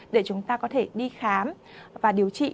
để chúng ta có thể đi khám và điều trị